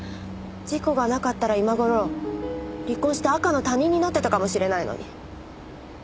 事故がなかったら今頃離婚して赤の他人になってたかもしれないのに。